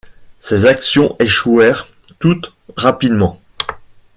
Ces actions échouèrent toutes rapidement.